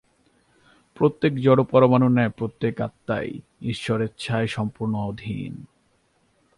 প্রত্যেক জড়পরমাণুর ন্যায় প্রত্যেক আত্মাই ঈশ্বরেচ্ছার সম্পূর্ণ অধীন।